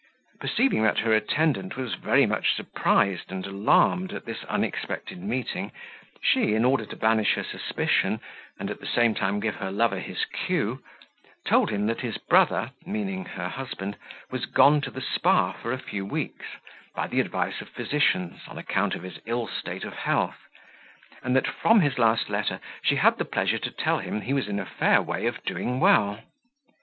Perceiving that her attendant was very much surprised and alarmed at this unexpected meeting, she, in order to banish her suspicion, and at the same time give her lover his cue, told him that his brother (meaning her husband) was gone to the Spa for a few weeks, by the advice of physicians, on account of his ill state of health; and that, from his last letter, she had the pleasure to tell him he was in a fair way of doing well.